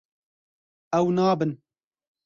Ew nabin.